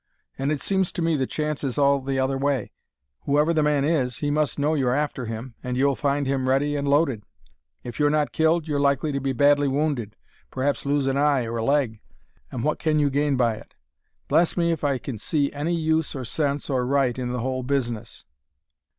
And it seems to me the chance is all the other way. Whoever the man is, he must know you're after him; and you'll find him ready and loaded. If you're not killed you're likely to be badly wounded perhaps lose an eye or a leg and what can you gain by it? Bless me if I can see any use or sense or right in the whole business."